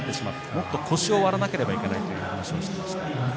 もっと腰を割らなければいけないと話をしていました。